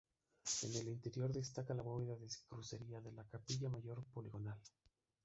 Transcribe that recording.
En el interior destaca la bóveda de crucería de la Capilla Mayor poligonal.